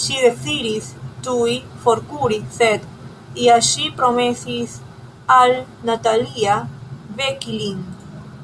Ŝi deziris tuj forkuri, sed ja ŝi promesis al Natalia veki lin.